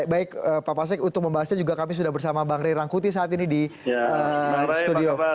baik pak pasek untuk membahasnya juga kami sudah bersama bang ray rangkuti saat ini di studio